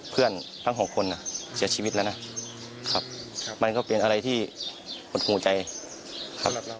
เพื่อนทั้ง๖คนเสียชีวิตแล้วนะมันก็เป็นอะไรที่ปลดภูมิใจครับ